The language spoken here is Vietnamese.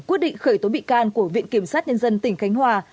quyết định khởi tố bị can của viện kiểm sát nhân dân tỉnh khánh hòa